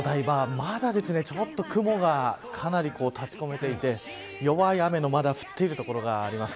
まだ、ちょっと雲がかなり立ち込めていて弱い雨もまだ降っている所があります。